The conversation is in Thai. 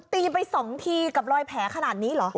ตีไป๒ทีกับรอยแผลขนาดนี้เหรอ